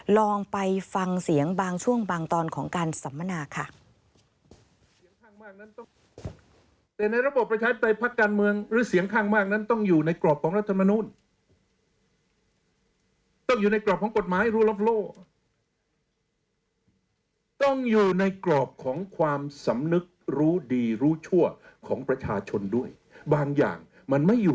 ลองไปฟังเสียงบางช่วงบางตอนของการสัมมนาค่ะ